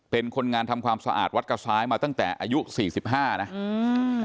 เป็นคนงานทำความสะอาดวัดกระซ้ายมาตั้งแต่อายุสี่สิบห้านะอืม